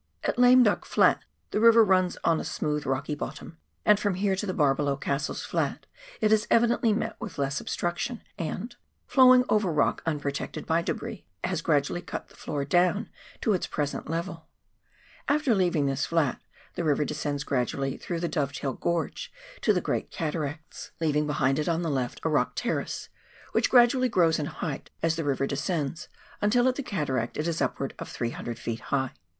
At Lame Duck Flat the river runs on a smootb rocky bottom, and from here to the bar below Cassell's Flat it has evidently met with less obstruction, and, flowing over rock unprotected by debris, has gradually cut the floor down to its present level. After leaving this flat, the river descends gradually through the Dovetail Gorge to the great cataracts, leaving behind it on S 258 PIONEER WORK IN THE ALPS OF NEW ZEALAND. the left a rock terrace, which gradually grows in height as the river descends, until at the cataract it is upwards of 300 ft. high.